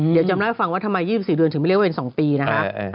เดี๋ยวจำเล่าให้ฟังว่าทำไม๒๔เดือนถึงไม่เรียกว่าเป็น๒ปีนะคะ